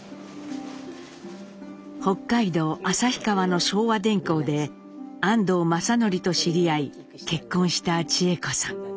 北海道旭川の昭和電工で安藤正順と知り合い結婚した智枝子さん。